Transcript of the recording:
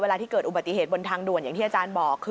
ที่เกิดอุบัติเหตุบนทางด่วนอย่างที่อาจารย์บอกคือ